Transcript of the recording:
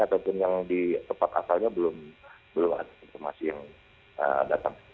ataupun yang di tempat asalnya belum ada informasi yang datang